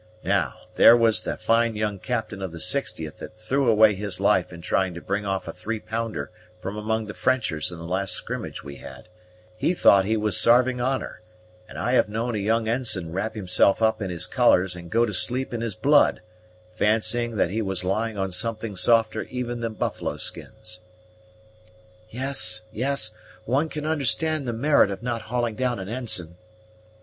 Now, there was the fine young captain of the 60th that threw away his life in trying to bring off a three pounder from among the Frenchers in the last skrimmage we had; he thought he was sarving honor; and I have known a young ensign wrap himself up in his colors, and go to sleep in his blood, fancying that he was lying on something softer even than buffalo skins." "Yes, yes; one can understand the merit of not hauling down an ensign."